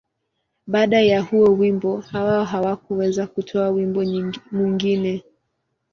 Baada ya huo wimbo, Hawa hakuweza kutoa wimbo mwingine.